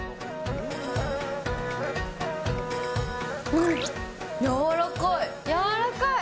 うん！